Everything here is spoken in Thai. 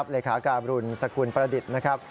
เลขาการุณสกุลประดิษฐ์นะครับ